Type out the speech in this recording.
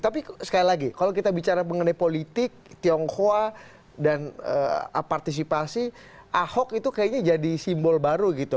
tapi sekali lagi kalau kita bicara mengenai politik tionghoa dan partisipasi ahok itu kayaknya jadi simbol baru gitu